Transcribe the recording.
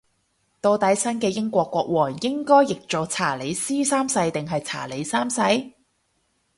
到底新嘅英國國王應該譯做查理斯三世定係查理三世